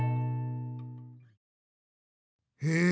へえ